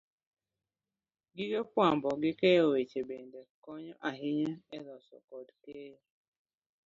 Gige fwambo gi keyo weche bende konyo ahinya e loso kod keyo